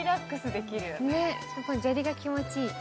砂利が気持ちいい。